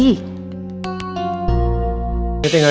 terima kasih bu nyok